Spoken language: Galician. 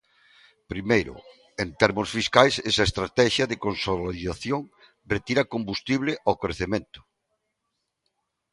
Primeiro, en termos fiscais esa estratexia de consolidación retira combustible ao crecemento.